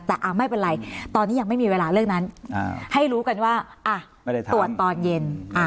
แต่ไม่เป็นไรตอนนี้ยังไม่มีเวลาเรื่องนั้นให้รู้กันว่าตรวจตอนเย็น